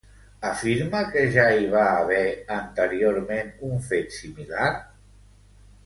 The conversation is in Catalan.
Afirma que ja hi va haver anteriorment un fet similar?